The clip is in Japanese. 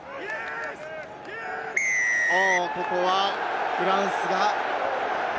ここはフランスが。